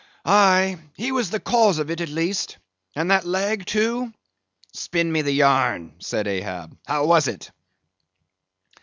"Aye, he was the cause of it, at least; and that leg, too?" "Spin me the yarn," said Ahab; "how was it?"